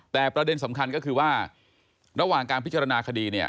แต่ประเด็นสำคัญก็คือว่าระหว่างการพิจารณาคดีเนี่ย